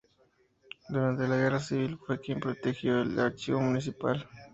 Durante la Guerra Civil fue quien protegió el archivo municipal.